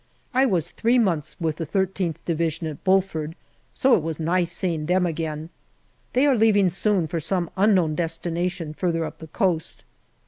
I was three months with the 1 3th Division at Bulford, so it was nice seeing them again. They are leaving soon for some unknown destination, further up the coast.